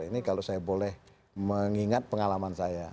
ini kalau saya boleh mengingat pengalaman saya